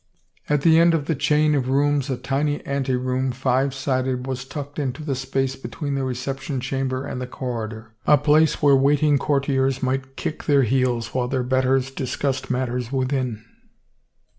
2^ THE WRITING ON THE WALL At the end of the chain of rooms a tiny ante room, five sided, was tucked into the space between the recep tion chamber and the corridor, a place where waiting courtiers might kick their heels while their betters dis cussed matters within.